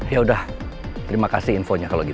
yaudah terima kasih infonya kalau gitu